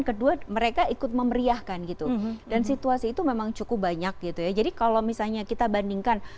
kedua mereka ikut memeriahkan gitu dan situasi itu memang cukup banyak gitu ya jadi kalau misalnya kita bandingkan